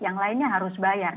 yang lainnya harus bayar